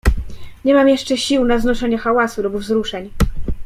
"Nie mam jeszcze sił na znoszenie hałasu lub wzruszeń."